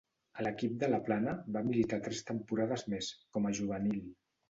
A l'equip de la Plana va militar tres temporades més, com a juvenil.